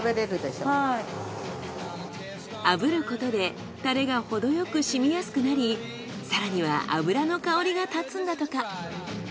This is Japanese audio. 炙ることでたれがほどよく染みやすくなり更には脂の香りが立つんだとか。